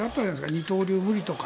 二刀流、無理とか。